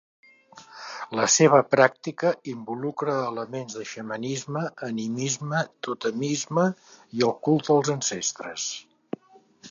La seva pràctica involucra elements de xamanisme, animisme, totemisme i el culte als ancestres.